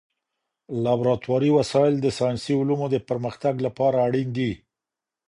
لابراتواري وسایل د ساینسي علومو د پرمختګ لپاره اړین دي.